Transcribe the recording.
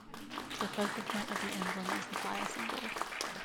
The focal point of the emblem is the fire symbol.